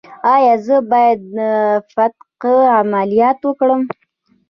ایا زه باید د فتق عملیات وکړم؟